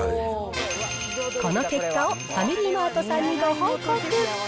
この結果をファミリーマートさんにご報告。